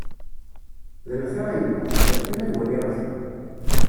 D lxir a yemma, bɣiɣ kan ad waliɣ Akli.